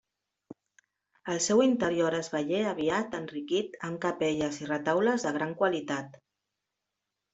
El seu interior es veié aviat enriquit amb capelles i retaules de gran qualitat.